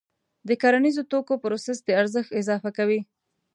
د کرنیزو توکو پروسس د ارزښت اضافه کوي.